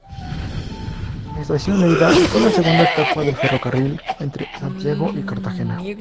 Estación Leyda fue la segunda etapa del ferrocarril entre Santiago y Cartagena.